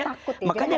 itu takut ya